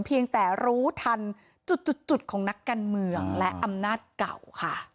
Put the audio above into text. เพียงแต่รู้ทันจุดของนักการเมืองและอำนาจเก่าค่ะ